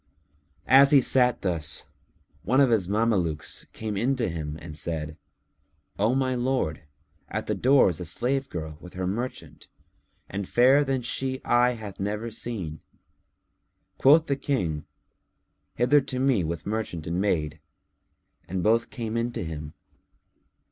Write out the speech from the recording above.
As he sat thus one of his Mamelukes came in to him and said, "O my lord, at the door is a slave girl with her merchant, and fairer than she eye hath never seen." Quoth the King, "Hither to me with merchant and maid!"; and both came in to him.